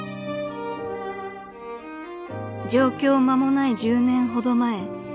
［上京間もない１０年ほど前